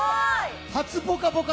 「ぽかぽか」